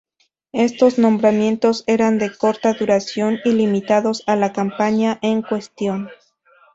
Estos nombramientos eran de corta duración y limitados a la campaña en cuestión.